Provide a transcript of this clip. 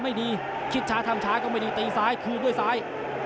ไม่ดีคิดช้าทำช้าก็ไม่ดีตีซ้ายคืนด้วยซ้าย